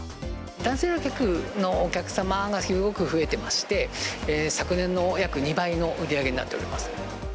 男性の方のお客様がすごく増えてまして、昨年の約２倍の売り上げになっております。